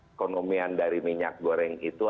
ekonomian dari minyak goreng itu